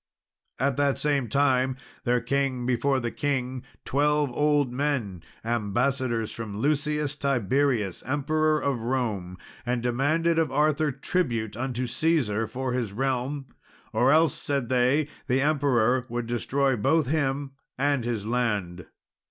At that same time there came before the king twelve old men, ambassadors from Lucius Tiberius, Emperor of Rome, and demanded of Arthur tribute unto Caesar for his realm, or else, said they, the emperor would destroy both him and his land.